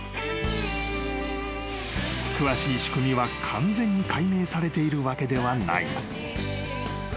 ［詳しい仕組みは完全に解明されているわけではないが］